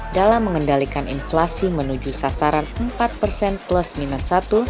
dalam mengendalikan inflasi menuju sasaran empat persen plus minus satu